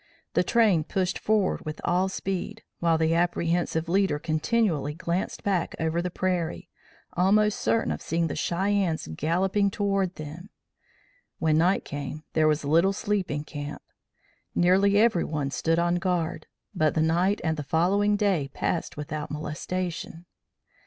The train pushed forward with all speed, while the apprehensive leader continually glanced back over the prairie, almost certain of seeing the Cheyennes galloping toward them. When night came, there was little sleep in camp. Nearly every one stood on guard, but the night and the following day passed without molestation.